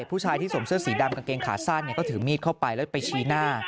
ผู้ชายที่สวมเสื้อสีดำกางเกงขาสั้นก็ถือมีดเข้าไปแล้วไปชี้หน้า